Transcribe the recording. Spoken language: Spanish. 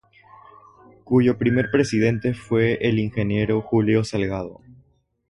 Cuyo primer presidente fue el Ing. Julio Salgado.